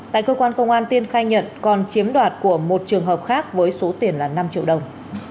tại cơ quan công an tiên khai nhận còn chiếm đoạt của một trường hợp khác với số tiền là năm triệu đồng